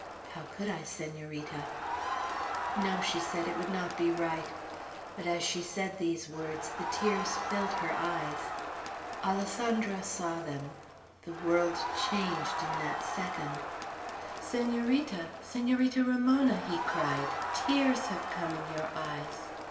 "How could I, Senorita?" "No," she said, "it would not be right;" but as she said these words, the tears filled her eyes. Alessandro saw them. The world changed in that second. "Senorita! Senorita Ramona!" he cried, "tears have come in your eyes!